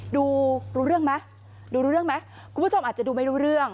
ดูรู้เรื่องไหมดูรู้เรื่องไหมคุณผู้ชมอาจจะดูไม่รู้เรื่อง